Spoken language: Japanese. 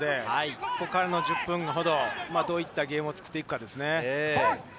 ここからの１０分ほど、どういったゲームを作っていくかですね。